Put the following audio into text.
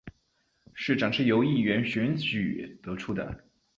市长是由议员选举得出的。